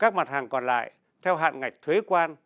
các mặt hàng còn lại theo hạn ngạch thuế quan